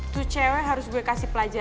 to cewek harus gue kasih pelajaran